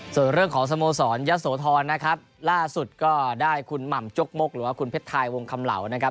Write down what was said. ส่วนเรื่องของสโมสรยะโสธรนะครับล่าสุดก็ได้คุณหม่ำจกมกหรือว่าคุณเพชรทายวงคำเหล่านะครับ